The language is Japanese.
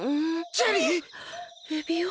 ジェリー！？エビオ？